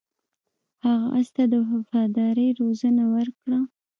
هغه اس ته د وفادارۍ روزنه ورکړه.